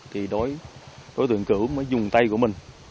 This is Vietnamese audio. thì đối tượng cứu mới dùng tay của mình